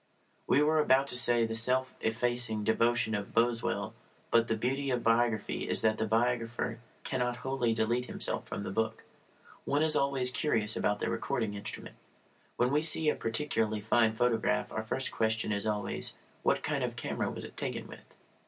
We were about to say the self effacing devotion of Boswell; but the beauty of biography is that the biographer cannot wholly delete himself from the book. One is always curious about the recording instrument. When we see a particularly fine photograph our first question is always, "What kind of camera was it taken with?"